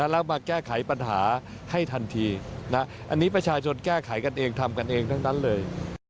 แล้วมาแก้ไขปัญหาให้ทันทีอันนี้ประชาชนแก้ไขกันเองทำกันเองทั้งนั้นเลย